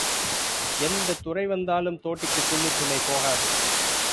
எந்தத் துரை வந்தாலும் தோட்டிக்குப் புல்லுச் சுமை போகாது.